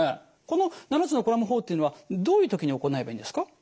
この７つのコラム法っていうのはどういう時に行えばいいんですか？